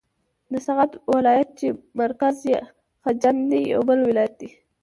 د سغد ولایت چې مرکز یې خجند دی یو بل ولایت دی.